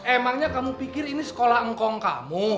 emangnya kamu pikir ini sekolah engkong kamu